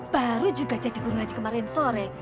baru juga jadi guru ngaji kemarin sore